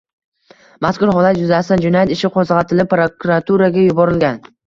Mazkur holat yuzasidan jinoyat ishi qo‘zg‘atilib, prokuraturaga yuborilgan